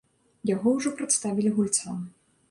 Яго ўжо прадставілі гульцам.